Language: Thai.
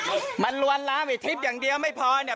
พอพอพอมันล้วนลามอีกทิศอย่างเดียวไม่พอเนี่ย